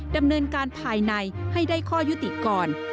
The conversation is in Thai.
ดำเนินการภายในให้ได้ข้อยุติก่อน